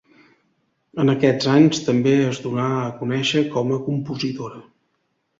En aquests anys també es donà a conèixer com a compositora.